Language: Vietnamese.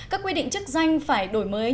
các quy định chức danh phải đổi mới